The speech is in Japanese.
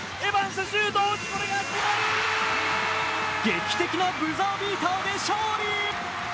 劇的なブザービーターで勝利。